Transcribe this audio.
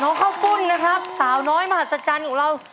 ข้าวปุ้นนะครับสาวน้อยมหัศจรรย์ของเรา